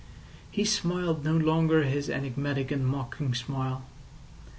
He smiled no longer his enigmatic and mocking smile.